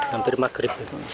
nanti di maghrib